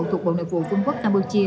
thuộc bộ nội vụ quân quốc campuchia